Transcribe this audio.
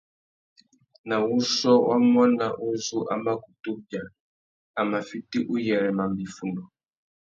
Nà wuchiô wa muaná uzu a mà kutu bia, a mà fiti uyêrê mamba iffundu.